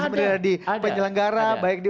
sebenarnya di penyelenggara baik di